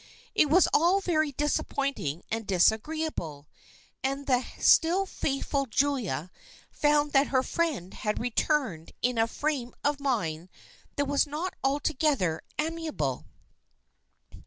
It was all very disap pointing and disagreeable, and the still faithful Julia found that her friend had returned in a frame of mind that was not altogether amiable.